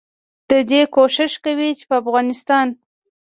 ددې کوشش کوي چې په افغانستان